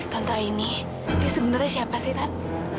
tante aini dia sebenarnya siapa sih tan